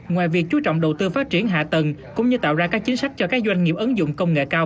ngoài việc chú trọng đầu tư phát triển hạ tầng cũng như tạo ra các chính sách cho các doanh nghiệp ứng dụng công nghệ cao